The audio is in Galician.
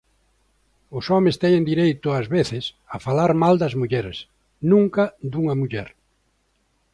Os homes teñen dereito ás veces a falar mal das mulleres, nunca dunha muller.